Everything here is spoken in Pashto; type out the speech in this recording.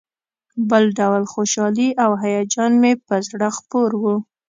بل ډول خوشالي او هیجان مې پر زړه خپور و.